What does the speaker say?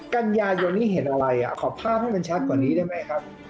กันยายนนี้เห็นอะไรขอภาพให้มันชัดกว่านี้ได้ไหมครับ